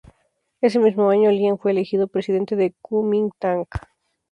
Ese mismo año Lien fue elegido presidente del Kuomintang.